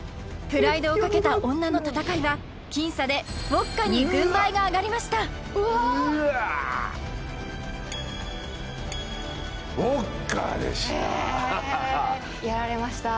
プライドをかけた女の戦いは僅差でウオッカに軍配が上がりました